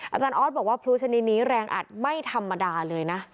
อาจารย์ออสบอกว่าพลูชนิดนี้แรงอัดไม่ธรรมดาเลยนะ